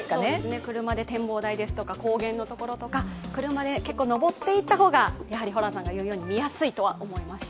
車で展望台ですとか、高原の所とか車で登っていった方が、ホランさんが言うように見やすいと思います。